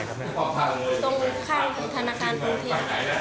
ตรงข้างธนการกรุงแพทย์